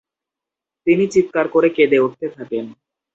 তিনি চিৎকার করে কেঁদে উঠতে থাকেন।